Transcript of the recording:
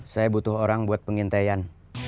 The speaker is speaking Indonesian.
saya butuh orang buat pengintaian